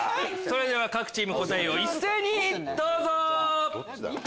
それでは各チーム答えを一斉にどうぞ！